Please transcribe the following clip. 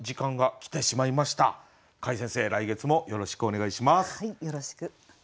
来月もよろしくお願いします。